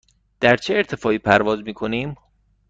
در چه ارتفاعی پرواز می کنیم؟